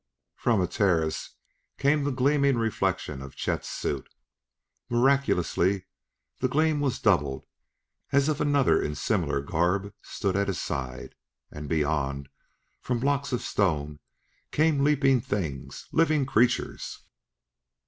From a terrace came the gleaming reflection of Chet's suit. Miraculously the gleam was doubled, as if another in similar garb stood at his side. And beyond, from blocks of stone, came leaping things living creatures!